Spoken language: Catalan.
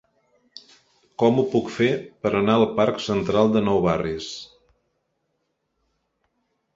Com ho puc fer per anar al parc Central de Nou Barris?